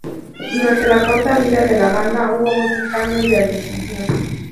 Durante la corta vida de la banda hubo muchos cambios de alineación.